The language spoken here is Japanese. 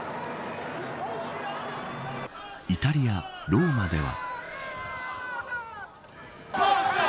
イタリア・ローマでは。